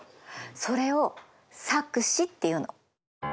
それを錯視っていうの。